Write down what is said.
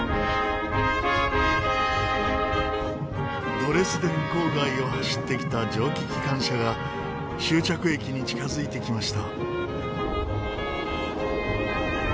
ドレスデン郊外を走ってきた蒸気機関車が終着駅に近づいてきました。